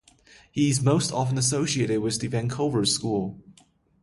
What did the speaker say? He is most often associated with the Vancouver School.